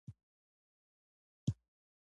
• باران د وچې ځمکې تنده ماتوي.